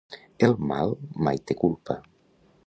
El mal mai té culpa.